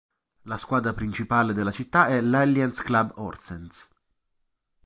La squadra principale della città è l'Alliance Club Horsens.